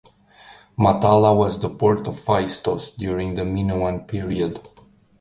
Matala was the port of Phaistos during the Minoan period.